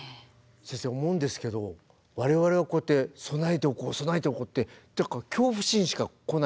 先生思うんですけど我々はこうやって備えておこう備えておこうって恐怖心しか来ないんですが。